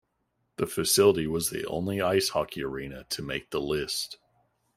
The facility was the only ice hockey arena to make the list.